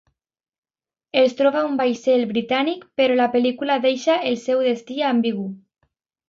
Els troba un vaixell britànic, però la pel·lícula deixa el seu destí ambigu.